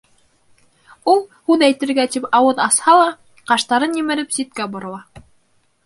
Ул, һүҙ әйтергә тип ауыҙ асһа ла, ҡаштарын емереп, ситкә борола.